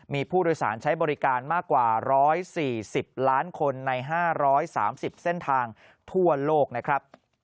มีผู้โดยสารใช้บริการมากกว่า๑๔๐ล้านคนใน๕๓๐เส้นทางทั่วโลกนะครับ